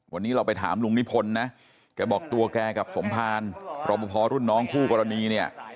วันนี้เราไปถามลุงนิพนธ์นะแกบอกตัวแกกับสมภารรอปภรุ่นน้องคู่กรณีเนี่ย